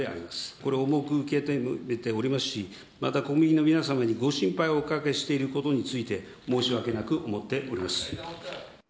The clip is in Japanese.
これを重く受け止めておりますし、また、国民の皆様にご心配をおかけしていることについて、申し訳なく思っております。